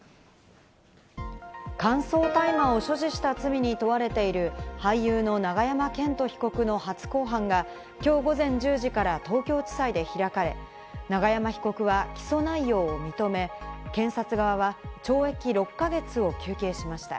乾燥大麻を所持した罪に問われている俳優の永山絢斗被告の初公判がきょう午前１０時から東京地裁で開かれ、永山被告は起訴内容を認め、検察側は懲役６か月を求刑しました。